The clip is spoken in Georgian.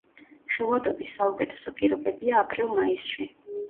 ხილვადობის საუკეთესო პირობებია აპრილ-მაისში.